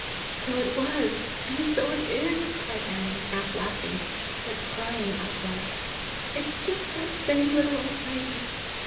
"So it was and so it is!" cried Annie, half laughing, but crying outright. "It's just that same little old lady.